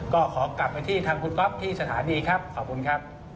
ก็ขอกลับไปที่ทางคุณก๊อฟที่สถานีครับขอบคุณครับ